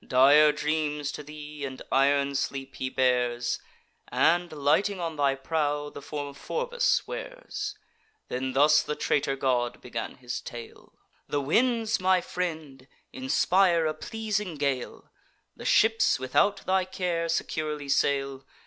Dire dreams to thee, and iron sleep, he bears; And, lighting on thy prow, the form of Phorbas wears. Then thus the traitor god began his tale: "The winds, my friend, inspire a pleasing gale; The ships, without thy care, securely sail.